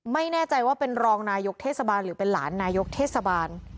ไม่แน่ใจว่าเป็นรองนายกเทศบาลหรือเป็นหลานนายกเทศบาล